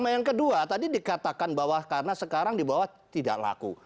yang kedua tadi dikatakan bahwa karena sekarang di bawah tidak laku